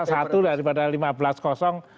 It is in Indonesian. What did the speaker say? satu daripada lima belas